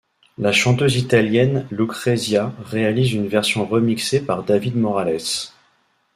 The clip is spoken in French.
La chanteuse italienne Lucrezia réalise une version ' remixée par David Morales.